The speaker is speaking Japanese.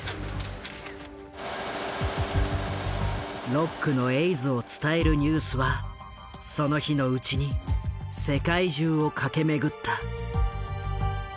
ロックのエイズを伝えるニュースはその日のうちに世界中を駆け巡った。